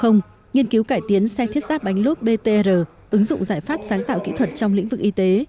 nghiên cứu cải tiến xe thiết giáp bánh lốp btr ứng dụng giải pháp sáng tạo kỹ thuật trong lĩnh vực y tế